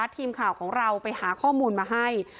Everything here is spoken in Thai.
ทีมข่าวของเราไปหาข้อมูลมาให้